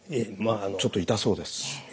ちょっと痛そうです。